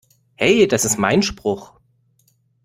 Hey, das ist mein Spruch!